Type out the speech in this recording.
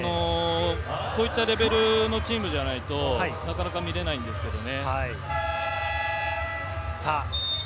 こういったレベルのチームじゃないと、なかなか見れないんですけどね。